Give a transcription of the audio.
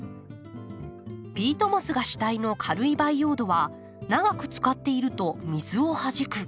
ピートモスが主体の軽い培養土は長く使っていると水をはじく。